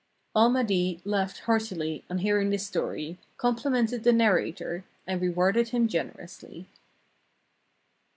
'" Al Mahdi laughed heartily on hearing this story, com plimented the narrator, and rewarded him generously.